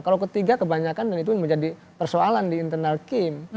kalau ketiga kebanyakan dan itu yang menjadi persoalan di internal kim